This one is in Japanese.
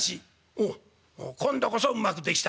「おっ今度こそうまくできたか？」。